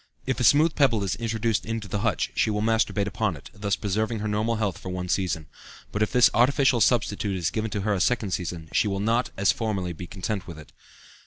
If a smooth pebble is introduced into the hutch, she will masturbate upon it, thus preserving her normal health for one season. But if this artificial substitute is given to her a second season, she will not, as formerly, be content with it."